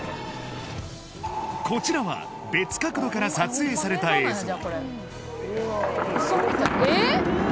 こちらは別角度から撮影された映像